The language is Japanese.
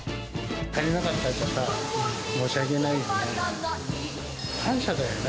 足りなかったら申し訳ないですね。